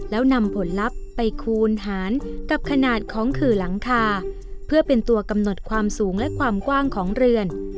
แล้วนำผลลัพธ์ไปคูณหารกับขนาดของขื่อหลังคาเพื่อเป็นตัวกำหนดความสูงและความกว้างของเรือน